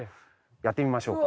やってみましょうか。